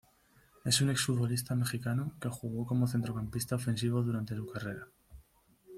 Es un exfutbolista mexicano que jugó como centrocampista ofensivo durante su carrera.